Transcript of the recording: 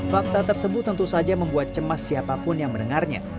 fakta tersebut tentu saja membuat cemas siapapun yang mendengarnya